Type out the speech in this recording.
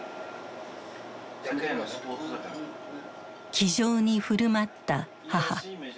気丈に振る舞った母。